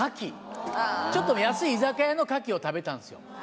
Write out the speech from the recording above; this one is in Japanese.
ちょっと安い居酒屋の牡蠣を食べたんですよ。